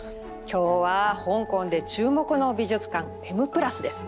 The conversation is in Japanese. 今日は香港で注目の美術館「Ｍ＋」です。